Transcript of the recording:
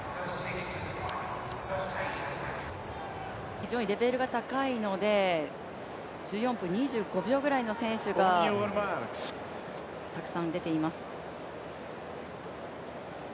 非常にレベルが高いので、１４分２５秒ぐらいの選手がたくさん出ています。